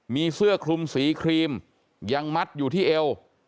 มีเสื้อคลุมสีครีมยังมัดอยู่ที่เอว